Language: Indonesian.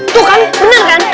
tuh kan bener kan